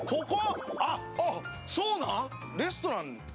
あっ、そうなん？